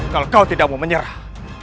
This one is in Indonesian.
kalau kau tidak mau menyerah